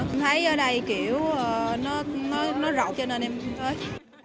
em thấy ở đây kiểu nó rộng cho nên em tới